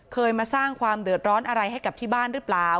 เคยมาสร้างความเดือดร้อนอะไรให้กับที่บ้านหรือเปล่า